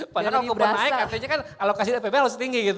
padahal kalau kupon naik artinya kan alokasi dari apbn harus tinggi